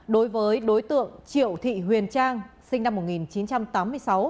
đối với đối tượng triệu thị huyền trang sinh năm một nghìn chín trăm tám mươi sáu